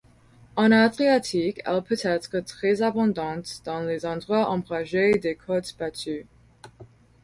En Adriatique, elle peut être très abondante dans les endroits ombragés des côtes battues.